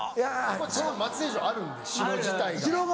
松江城あるんで城自体が。